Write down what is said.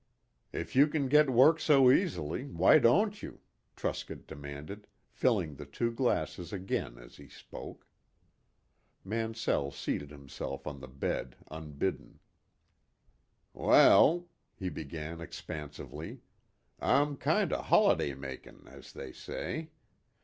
"If you can get work so easily, why don't you?" Truscott demanded, filling the two glasses again as he spoke. Mansell seated himself on the bed unbidden. "Wal," he began expansively, "I'm kind o' holiday makin', as they say.